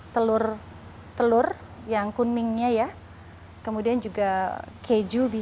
telur telur yang kuningnya ya kemudian juga keju bisa dan sayur sayuran yang buah batang